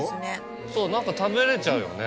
そう何か食べれちゃうよね。